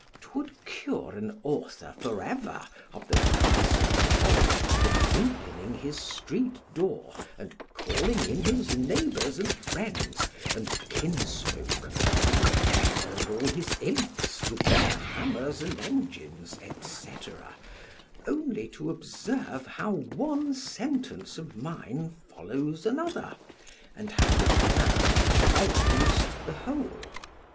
'Twould cure an author for ever of the fuss and folly of opening his street door, and calling in his neighbours and friends, and kinsfolk, with the devil and all his imps, with their hammers and engines, &c. only to observe how one sentence of mine follows another, and how the plan follows the whole.